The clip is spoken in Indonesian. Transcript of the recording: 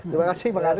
terima kasih bang andri